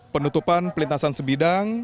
penutupan perlintasan sebidang